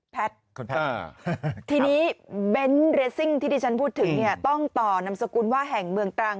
แพทย์ทีนี้เบนท์เรสซิ่งที่ที่ฉันพูดถึงเนี่ยต้องต่อนำสกุลว่าแห่งเมืองตรัง